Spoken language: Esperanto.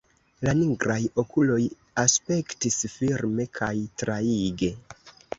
La nigraj okuloj aspektis firme kaj traige.